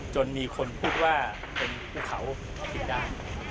จนมีคนพูดว่าที่เป็นลูกเขาถือได้